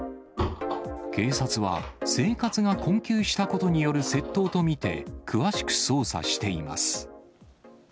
警察は、生活が困窮したことによる窃盗と見て、詳しく捜査しています。